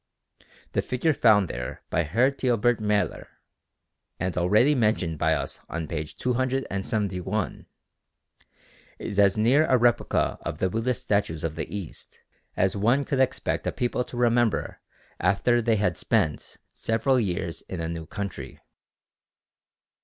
The figure found there by Herr Teobert Maler, and already mentioned by us on p. 271, is as near a replica of the Buddhist statues of the East as one could expect a people to remember after they had spent several years in a new country.